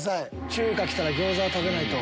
中華来たら餃子食べないと。